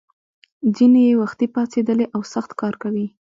ځینې یې وختي پاڅېدلي او سخت کار کوي.